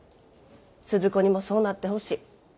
鈴子にもそうなってほしい。